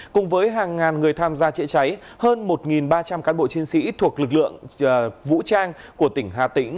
cùng với hàng ngàn người tham gia chữa cháy hơn một ba trăm linh cán bộ chiến sĩ thuộc lực lượng vũ trang của tỉnh hà tĩnh